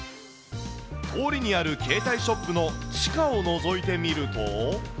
通りにある携帯ショップの地下をのぞいてみると。